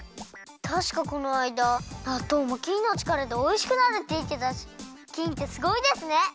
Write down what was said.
たしかこのあいだなっとうもきんのちからでおいしくなるっていってたしきんってすごいですね！